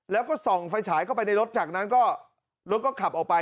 แล้วก็ส่องไฟฉายเข้าไปในรถจากนั้นก็รถก็ขับออกไป